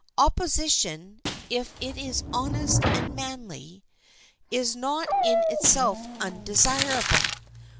Opposition, if it is honest and manly, is not in itself undesirable.